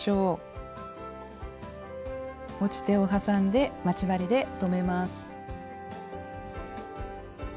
持ち手をはさんで待ち針で留めます。